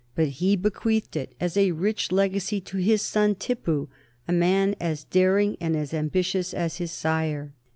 But he bequeathed it as a rich legacy to his son Tippu, a man as daring and as ambitious as his sire.